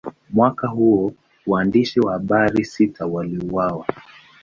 Mwaka huo, waandishi wa habari sita waliuawa.